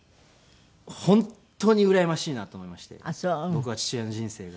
僕は父親の人生が。